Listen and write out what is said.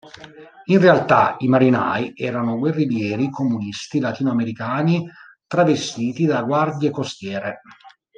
In realtà i marinai erano guerriglieri comunisti latino-americani travestiti da guardie costiere.